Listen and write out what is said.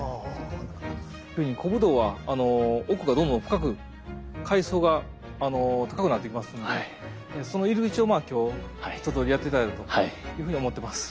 古武道は奥がどんどん深く階層が高くなっていきますのでその入り口を今日一とおりやって頂いたというふうに思ってます。